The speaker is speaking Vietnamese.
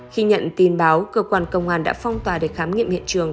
khi nhận tin báo cơ quan công an đã phong tỏa để khám nghiệm hiện trường